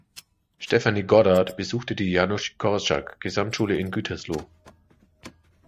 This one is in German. Stephanie Goddard besuchte die Janusz-Korczak-Gesamtschule in Gütersloh.